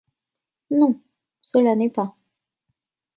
Non ! cela n’est pas !